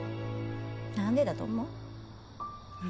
なんでだと思う？